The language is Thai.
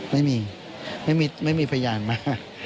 ไม่มีพยานมา